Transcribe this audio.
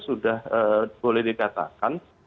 sudah boleh dikatakan